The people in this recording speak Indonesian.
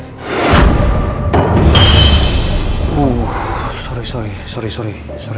dia sudah pulang